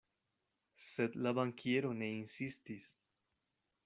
Sed la bankiero ne insistis.